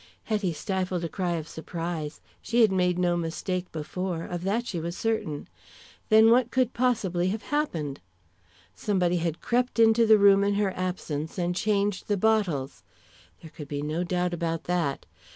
Hetty stifled a cry of surprise. She had made no mistake before of that she was certain. Then what could possibly have happened? Somebody had crept into the room in her absence and changed the bottles! There could be no doubt about that.